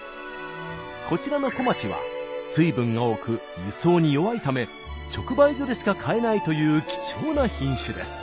こちらの小町は水分が多く輸送に弱いため直売所でしか買えないという貴重な品種です。